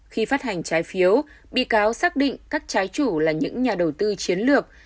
khi phát hành trái phiếu bị cáo xác định các trái chủ là những nhà đầu tư chiến lược